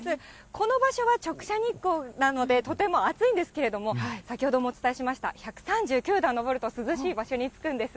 この場所は直射日光なので、とても暑いんですけれども、先ほどもお伝えしました、１３９段上ると涼しい場所に着くんです。